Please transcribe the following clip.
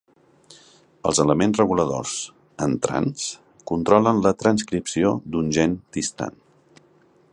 Els elements reguladors en trans controlen la transcripció d'un gen distant.